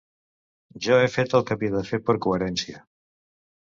Jo he fet el que havia de fer per coherència.